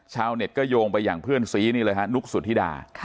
ชาวเน็ตก็โยงไปอย่างเพื่อนซีนี่เลยฮะนุ๊กสุธิดา